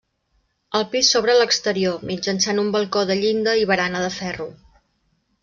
El pis s'obre a l'exterior mitjançant un balcó de llinda i barana de ferro.